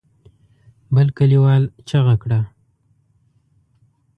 بل کليوال چيغه کړه.